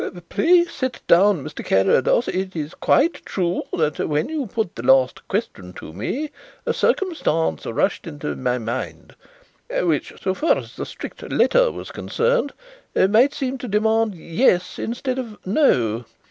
"Pray sit down, Mr. Carrados. It is quite true that when you put the last question to me a circumstance rushed into my mind which so far as the strict letter was concerned might seem to demand 'Yes' instead of 'No.'